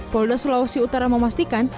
polda sulawesi utara memastikan